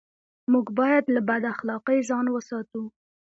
موږ بايد له بد اخلاقۍ ځان و ساتو.